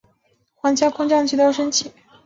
皇家空军旗在所有基地白天都要升起。